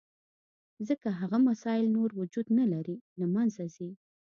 ځکه هغه مسایل نور وجود نه لري، له منځه ځي.